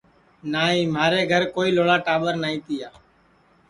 نائی مھارے گھر کوئی لھوڑا ٹاٻر نائی تیا